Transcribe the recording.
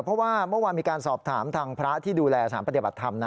เพราะว่าเมื่อวานมีการสอบถามทางพระที่ดูแลสารปฏิบัติธรรม